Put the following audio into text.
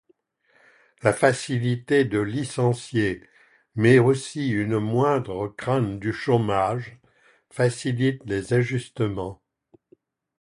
La facilité de licencier, mais aussi une moindre crainte du chômage facilite les ajustements.